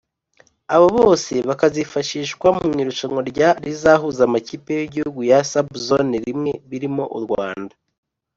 Abo bose bakazifashishwa mu irushanwa rya rizahuza amakipe y’ibihugu ya “sub zone I” birimo u Rwanda